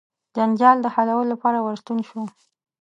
جنجال د حلولو لپاره ورستون سو.